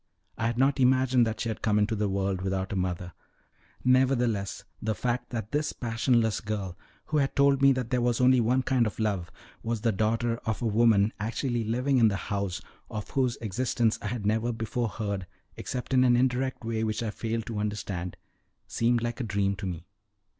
I had not imagined that she had come into the world without a mother; nevertheless, the fact that this passionless girl, who had told me that there was only one kind of love, was the daughter of a woman actually living in the house, of whose existence I had never before heard, except in an indirect way which I failed to understand, seemed like a dream to me.